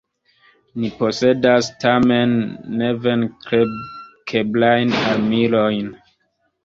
Ni posedas, tamen, nevenkeblajn armilojn.